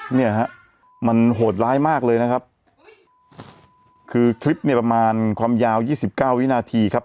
เนี่ยฮะมันโหดร้ายมากเลยนะครับคือคลิปเนี่ยประมาณความยาวยี่สิบเก้าวินาทีครับ